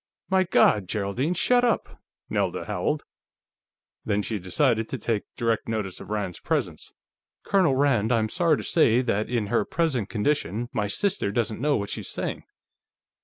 "My God, Geraldine, shut up!" Nelda howled. Then she decided to take direct notice of Rand's presence. "Colonel Rand, I'm sorry to say that, in her present condition, my sister doesn't know what she's saying.